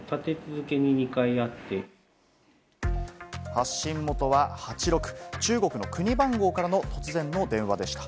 発信元は「８６」、中国の国番号からの突然の電話でした。